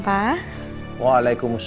padahal gak bisa